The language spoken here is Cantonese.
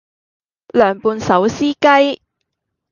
涼拌手撕雞